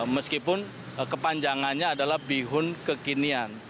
meskipun kepanjangannya adalah bihun kekinian